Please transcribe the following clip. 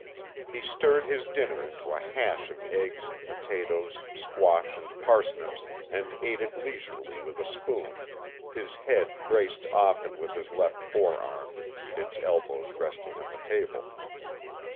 He stirred his dinner into a hash of eggs, potatoes, squash and parsnips, and ate it leisurely with a spoon, his head braced often with his left forearm, its elbow resting on the table.